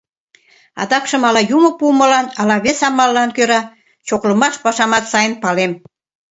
— Адакшым ала Юмо пуымылан, ала вес амаллан кӧра чоклымаш пашамат сайын палем.